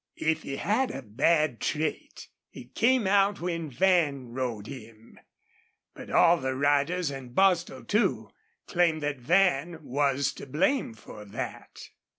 If he had a bad trait, it came out when Van rode him, but all the riders, and Bostil, too, claimed that Van was to blame for that.